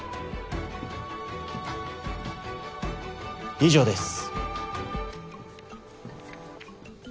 以上です。